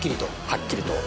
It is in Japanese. はっきりと。